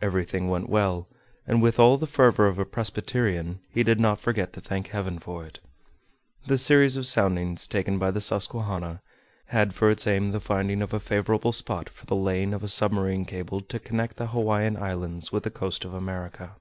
Everything went well, and with all the fervor of a Presbyterian, he did not forget to thank heaven for it. The series of soundings taken by the Susquehanna, had for its aim the finding of a favorable spot for the laying of a submarine cable to connect the Hawaiian Islands with the coast of America.